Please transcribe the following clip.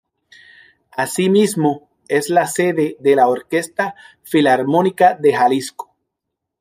Asimismo es la sede de la Orquesta Filarmónica de Jalisco.